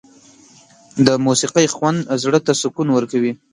د موسيقۍ خوند زړه ته سکون ورکوي.